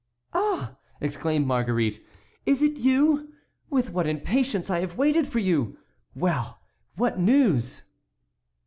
"Ah!" exclaimed Marguerite, "is it you? With what impatience I have waited for you! Well! What news?"